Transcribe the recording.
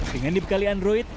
dengan dibekali android